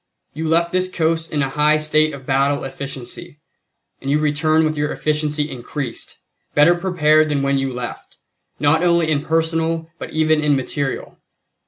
You left this coast in a high state of battle efficiency, and you return with your efficiency increased; better prepared than when you left, not only in personnel but even in material.